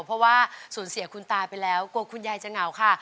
เพราะว่าสูญเสียคุณตาไปแล้วกลัวคุณยายจะเหงาค่ะ